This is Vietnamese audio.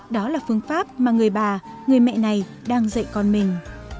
đó là phương pháp mà người bà người mẹ này đang dạy con mình